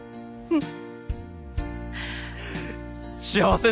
うん。